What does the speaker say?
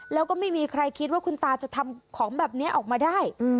แล้วก็ไม่มีใครคิดว่าคุณตาจะทำของแบบนี้ออกมาได้